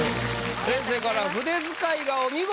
先生から「筆使いがお見事！」